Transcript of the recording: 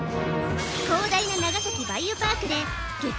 広大な長崎バイオパークで激